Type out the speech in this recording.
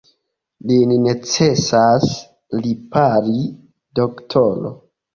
Lin necesas ripari, doktoro.